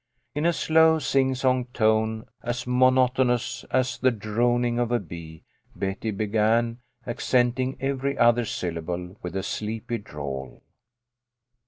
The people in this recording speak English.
In a slow, sing song tone, as monotonous as the droning of a bee, Betty be gan, accenting every other syllable with a sleepy drawl.